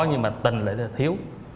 nhưng mà tình thì thiếu